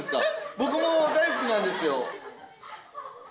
僕も大好きなんですよ。